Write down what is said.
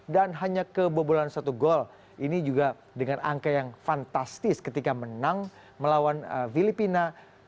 dan hanya kebobolan satu gol ini juga dengan angka yang fantastis ketika menang melawan filipina tujuh satu